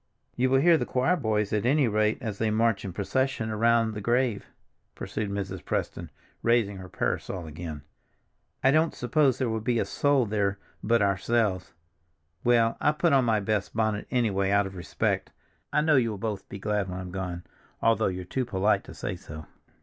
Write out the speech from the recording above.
"You will hear the choir boys at any rate as they march in procession around the grave," pursued Mrs. Preston, raising her parasol again. "I don't suppose there will be a soul there but ourselves. Well, I put on my best bonnet, anyway, out of respect—I know you will both be glad when I'm gone, although you're too polite to say so."